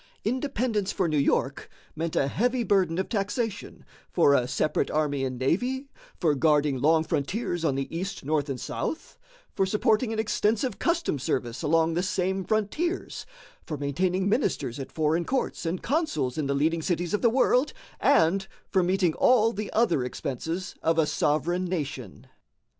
Independence for New York meant a heavy burden of taxation for a separate army and navy, for guarding long frontiers on the east, north, and south, for supporting an extensive customs service along the same frontiers, for maintaining ministers at foreign courts and consuls in the leading cities of the world, and for meeting all the other expenses of a sovereign nation.